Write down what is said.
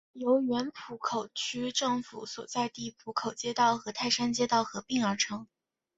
由原浦口区政府所在地浦口街道和泰山街道合并而成。